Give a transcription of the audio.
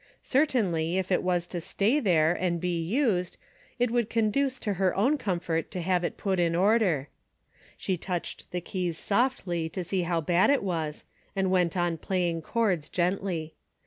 Certainly, if it was to sta}^ there and be used, it would conduce to her own comfort to have it put in order. She touched the keys softly to see how bad it was, and went on playing chords gently.